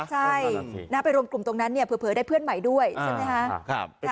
ใช่ไปรวมกลุ่มตรงนั้นเนี่ยเผลอได้เพื่อนใหม่ด้วยใช่ไหมคะ